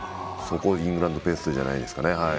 イングランドペースじゃないですか。